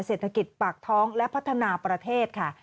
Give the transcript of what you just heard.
เศรษฐกิจปากท้องและพัฒนาประเทศค่ะ